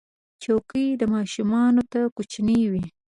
چوکۍ ماشومانو ته کوچنۍ وي.